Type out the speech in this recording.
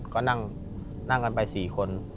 ก็นั่งกันไป๔คน